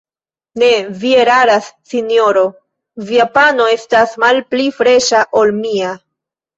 Ne, vi eraras, sinjoro: via pano estas malpli freŝa, ol mia.